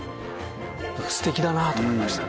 素敵だなと思いましたね。